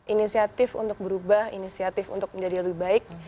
inisiatif untuk berubah inisiatif untuk menjadi lebih baik